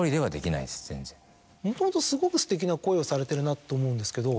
もともとすごくすてきな声をされてるなって思うんですけど。